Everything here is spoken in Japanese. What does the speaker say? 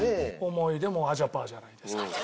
思い出もあじゃぱーじゃないですか。